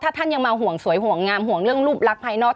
ถ้าท่านยังมาห่วงสวยห่วงงามห่วงเรื่องรูปลักษณ์ภายนอก